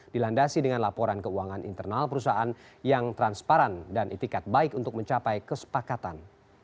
dilandasi dengan laporan keuangan internal perusahaan yang transparan dan itikat baik untuk mencapai kesepakatan